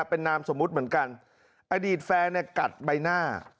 เป็นนามสมมุติเหมือนกันอดีตแฟนเนี่ยกัดใบหน้า